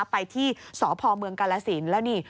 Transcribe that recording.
ไปที่สพเมืองกาลสินแล้วนี่